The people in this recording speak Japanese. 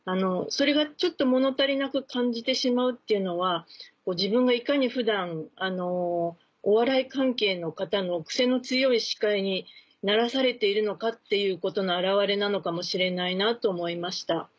それがちょっと物足りなく感じてしまうっていうのは自分がいかに普段お笑い関係の方のクセの強い司会にならされているのかっていうことの表れなのかもしれないなと思いました。